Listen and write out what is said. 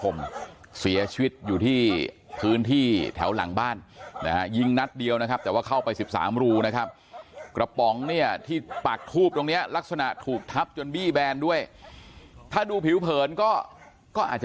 เนี้ยที่ปลาดทูปตรงเนี้ยลักษณะถูกทับจนบีแบนด้วยถ้าดูผิวเผินก็ก็อาจนะ